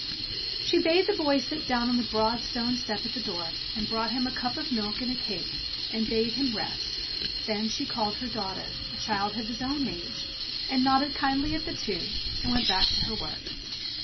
She bade the boy sit down on the broad stone step at the door, and brought him a cup of milk and a cake, and bade him rest; then she called her daughter, a child of his own age, and nodded kindly at the two, and went back to her work.